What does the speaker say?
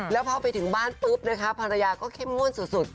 แล้วพอไปถึงบ้านปุ๊บนะคะภรรยาก็เข้มงวดสุด